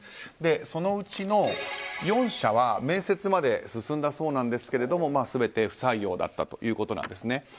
そのうちの４社は面接まで進んだそうなんですが全て不採用だったということです。